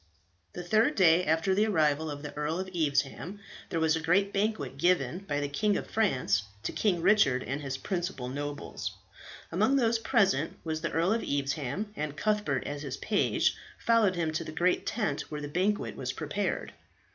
The third day after the arrival of the Earl of Evesham there was a great banquet given by the King of France to King Richard and his principal nobles. Among those present was the Earl of Evesham, and Cuthbert as his page followed him to the great tent where the banquet was prepared.